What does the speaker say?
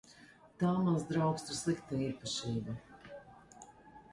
Tā, mans draugs, ir slikta īpašība.